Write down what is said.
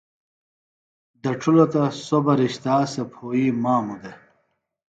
دڇھِلوۡ تہ سوۡ بہ رِشتا سےۡ پھوئی ماموۡ دےۡ